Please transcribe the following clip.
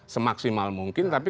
semaksimal mungkin tapi